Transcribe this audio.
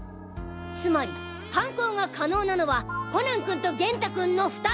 つまり犯行が可能なのはコナン君と元太君の２人。